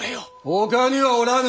ほかにはおらぬ！